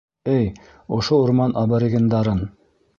Эй, ошо урман аборигендарын.